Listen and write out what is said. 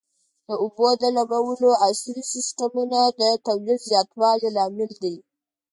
د اوبو د لګولو عصري سیستمونه د تولید زیاتوالي لامل دي.